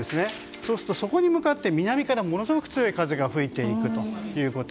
そうすると、そこに向かって南からものすごく強い風が吹いていくということ。